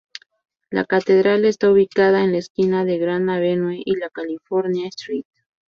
La catedral está ubicada en la esquina de Grant Avenue y la California Street.